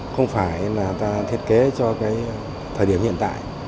không phải là thiết kế cho thời điểm hiện tại